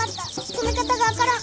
止め方が分からん。